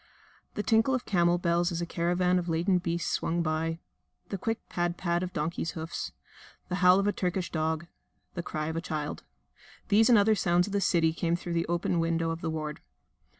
The tinkle of camel bells as a caravan of laden beasts swung by, the quick pad pad of donkeys' hoofs, the howl of a Turkish dog, the cry of a child these and other sounds of the city came through the open window of the ward.